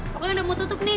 pokoknya udah mau tutup nih